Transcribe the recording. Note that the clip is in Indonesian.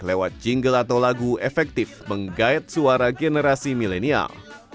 lewat jingle atau lagu efektif menggayat suara generasi milenial